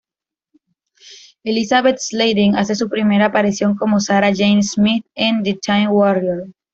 Elisabeth Sladen hace su primera aparición como Sarah Jane Smith en The Time Warrior.